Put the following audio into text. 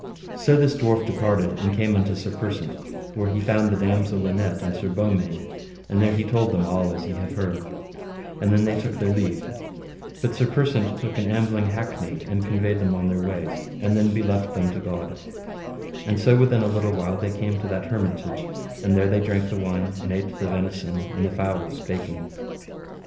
So this dwarf departed, and came to Sir Persant, where he found the damosel Linet and Sir Beaumains, and there he told them all as ye have heard; and then they took their leave, but Sir Persant took an ambling hackney and conveyed them on their ways, and then beleft them to God; and so within a little while they came to that hermitage, and there they drank the wine, and ate the venison and the fowls baken.